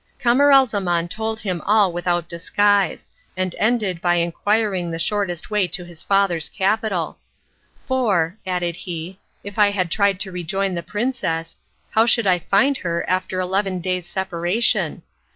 Camaralzaman told him all without disguise, and ended by inquiring the shortest way to his father's capital. "For," added he, "if I tried to rejoin the princess, how should I find her after eleven days' separation.